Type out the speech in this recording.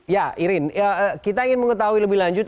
ya irin kita ingin mengetahui lebih lanjut